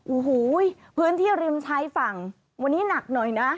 โอ้โหพื้นที่ริมชายฝั่งวันนี้หนักหน่อยนะ